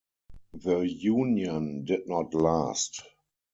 The union did not last.